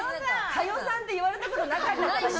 佳代さんって言われたことなかったから。